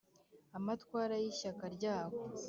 amatwara y'ishyaka ryabo